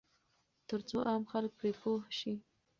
ترڅو عام خلک پرې پوه شي.